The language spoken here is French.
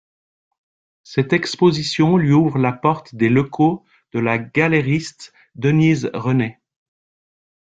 Cette exposition lui ouvre la porte des locaux de la galeriste Denise René.